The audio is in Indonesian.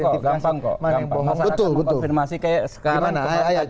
masyarakat mau konfirmasi kayak sekarang